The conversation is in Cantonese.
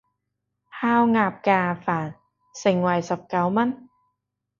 烤鴨架飯，盛惠十九文